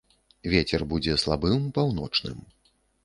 Вецер будзе слабым, паўночным.